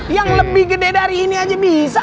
yang lebih gede dari ini aja bisa